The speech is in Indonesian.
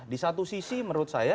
di satu sisi menurut saya